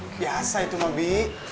hei biasa itu mbak bi